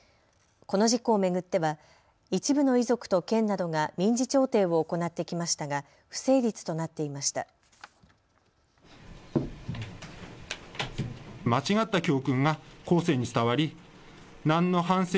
この事故を巡っては一部の遺族と県などが民事調停を行ってきましたが不成立となっていました。